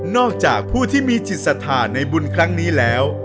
นอกจากผู้ที่มีจิตสถานในบุญครั้งนี้แล้ว